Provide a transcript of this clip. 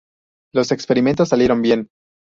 Los experimentos salieron bien.